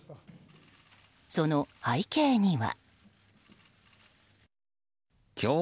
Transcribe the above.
その背景には。